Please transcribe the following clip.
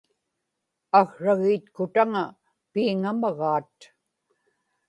aksragiitkutaŋa piiŋamagaat